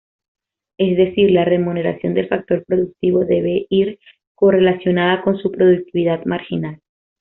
Es decir, la remuneración del factor productivo debe ir correlacionada con su productividad marginal.